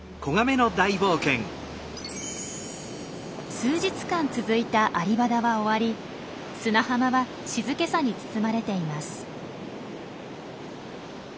数日間続いたアリバダは終わり砂浜は静けさに包まれています。